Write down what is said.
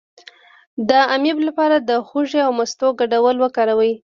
د امیب لپاره د هوږې او مستو ګډول وکاروئ